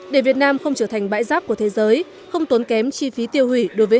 hai nghìn một mươi bảy để việt nam không trở thành bãi rác của thế giới không tốn kém chi phí tiêu hủy đối với